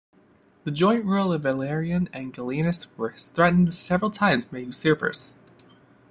The joint rule of Valerian and Gallienus was threatened several times by usurpers.